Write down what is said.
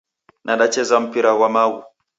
Nadacheza mpira ghwa maghu